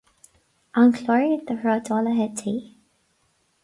An Clár de Thrádálaithe Tae.